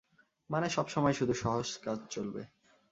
মানে, সবসময় শুধু সহজ কাজ চলবে।